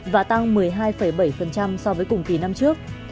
và tăng một mươi hai bảy so với cùng kỳ năm trước